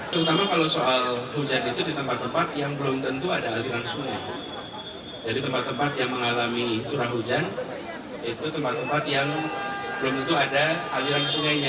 terutama kalau soal hujan itu di tempat tempat yang belum tentu ada aliran sungai jadi tempat tempat yang mengalami curah hujan itu tempat tempat yang belum tentu ada aliran sungainya